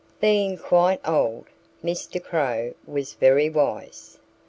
Being quite old, Mr. Crow was very wise.